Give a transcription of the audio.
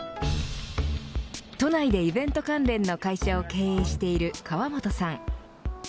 都内でイベント関連の会社を経営している河本さん。